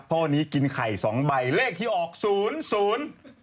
เพราะวันนี้กินไข่๒ใบเลขที่ออกสูญ